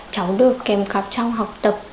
cháu được kèm cặp trong học tập